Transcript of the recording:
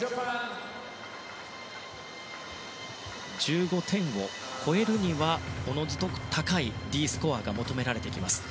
１５点を超えるにはおのずと、高いＤスコアが求められてきます。